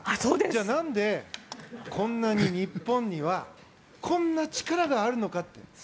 じゃあ、なんでこんなに日本にはこんな力があるのかって。